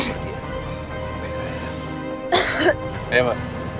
ayo mbak kita mau beli dimana mbak